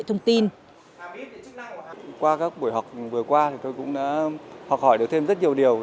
thông qua các buổi học vừa qua thì tôi cũng đã học hỏi được thêm rất nhiều điều